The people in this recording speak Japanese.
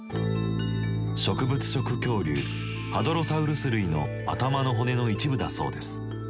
植物食恐竜ハドロサウルス類の頭の骨の一部だそうです。